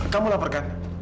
kamu lapar kan